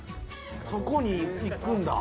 そこにいくんだ。